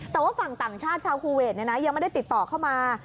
แต่ว่าฝั่งต่างชาติชาวคูเวทยังไม่ได้ติดต่อเข้ามา